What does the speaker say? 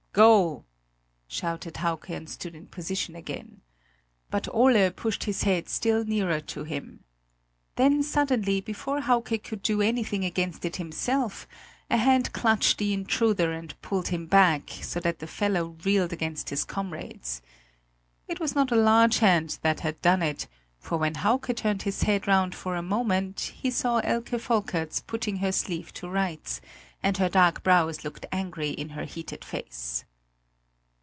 "Go!" shouted Hauke and stood in position again. But Ole pushed his head still nearer to him. Then suddenly, before Hauke could do anything against it himself, a hand clutched the intruder and pulled him back, so that the fellow reeled against his comrades. It was not a large hand that had done it; for when Hauke turned his head round for a moment he saw Elke Volkerts putting her sleeve to rights, and her dark brows looked angry in her heated face.